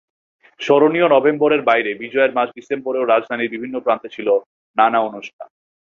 স্মরণীয় নভেম্বরের বাইরে বিজয়ের মাস ডিসেম্বরেও রাজধানীর বিভিন্ন প্রান্তে ছিল নানা অনুষ্ঠান।